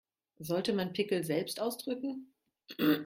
Sollte man Pickel selbst ausdrücken?